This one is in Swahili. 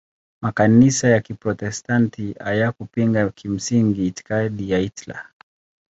Makanisa ya Kiprotestanti hayakupinga kimsingi itikadi ya Hitler.